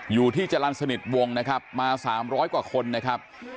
อยู่ที่จรรย์สนิทวงนะครับมา๓๐๐กว่าคนนะครับ